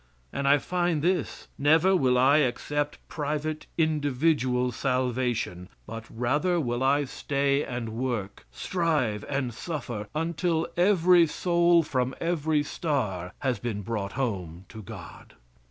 And I find this: "Never will I accept private, individual salvation, but rather will I stay and work, strive and suffer, until every soul from every star has been brought home to God."